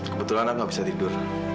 kebetulan aku gak bisa tidur